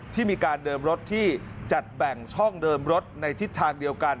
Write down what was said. ที่มีการเดิมรถที่จัดแบ่งช่องเดิมรถในทิศทางเดียวกัน